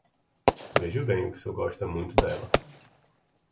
Vejo bem que o senhor gosta muito dela...